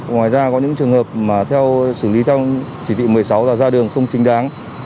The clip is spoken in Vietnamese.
ngoài ra có những trường hợp mà theo xử lý theo chỉ thị một mươi sáu là ra đường không chính đáng